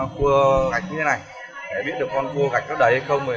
cua gạch như thế này để biết được con cua gạch nó đầy hay không